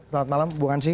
selamat malam bung ansi